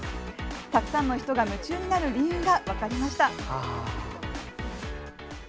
たくさんの人が夢中になる理由が分かりました。